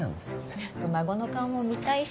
早く孫の顔も見たいし